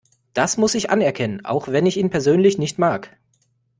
Das muss ich anerkennen, auch wenn ich ihn persönlich nicht mag.